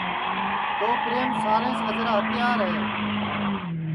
تو پریم سارے سے اجرا ہتیار ہے